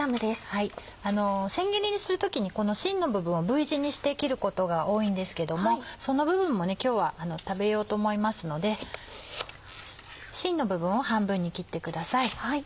千切りにする時にしんの部分をＶ字にして切ることが多いんですけどもその部分も今日は食べようと思いますのでしんの部分を半分に切ってください。